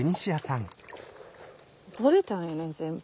取れたやん全部。